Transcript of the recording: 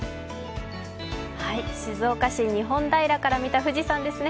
静岡市日本平から見た富士山ですね。